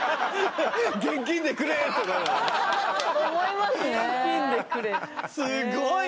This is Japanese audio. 思いますね